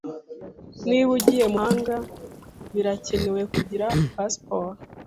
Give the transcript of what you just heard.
Niba ugiye mumahanga, birakenewe kugira pasiporo.